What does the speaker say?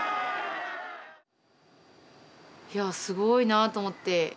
いやすごいなと思って。